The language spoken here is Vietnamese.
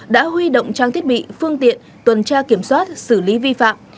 đã huy động trang thiết bị phương tiện tuần tra kiểm soát xử lý vi phạm